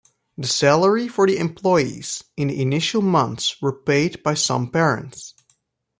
The salary for the employees in the initial months were paid by some parents.